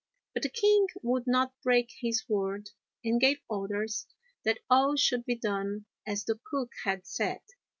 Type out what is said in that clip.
But the king would not break his word and gave orders that all should be done as the cook had said.